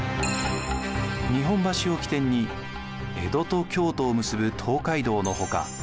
日本橋を起点に江戸と京都を結ぶ東海道の他